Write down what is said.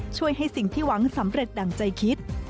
ช่วยให้สิ่งที่หวังสำเร็จดั่งใจคิด